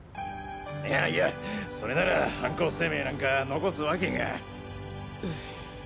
いやいやそれなら犯行声明なんか残すわけが。